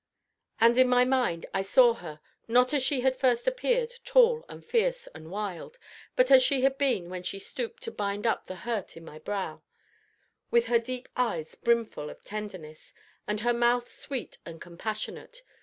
And, in my mind, I saw her, not as she had first appeared, tall and fierce and wild, but as she had been when she stooped to bind up the hurt in my brow with her deep eyes brimful of tenderness, and her mouth sweet and compassionate.